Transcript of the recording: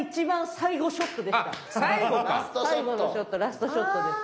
最後のショットラストショットです。